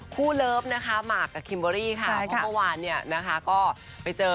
คู่เลิฟนะคะมาร์กกับคิมบอรี่ค่ะเพราะว่าเนี่ยนะคะก็ไปเจอ